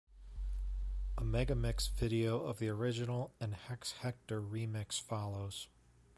A megamix video of the original and Hex Hector remix follows.